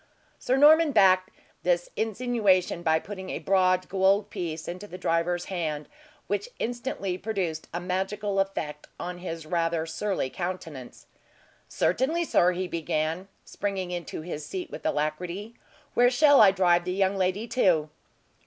Sir Norman backed this insinuation by putting a broad gold piece into the driver's hand, which instantly produced a magical effect on his rather surly countenance. "Certainly, sir," he began, springing into his seat with alacrity. "Where shall I drive the young lady to?"